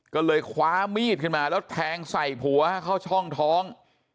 ก็เลยคว้ามีดขึ้นมาแล้วแทงใส่ผัวเข้าช่องท้อง